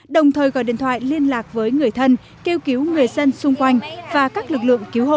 đồng thời gọi điện thoại liên lạc với người thân kêu cứu người dân xung quanh và các lực lượng cứu hộ